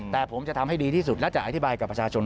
แต่ผมจะทำให้ดีที่สุดและจะอธิบายกับประชาชน